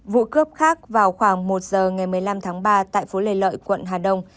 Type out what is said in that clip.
vụ cướp khác vào khoảng một giờ ngày một mươi năm tháng ba tại phố lê lợi quận hà đông